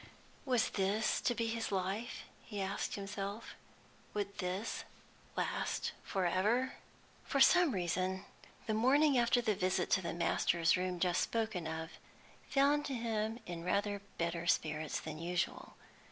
Was this to be his life? he asked himself. Would this last for ever? For some reason, the morning after the visit to the masters' room just spoken of found him in rather better spirits than usual.